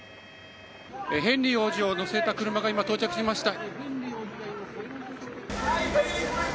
ヘンリー王子を乗せた車が今、到着しました。